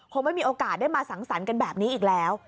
ไม่มีโอกาสได้มาสังสรรค์กันแบบนี้อีกแล้ว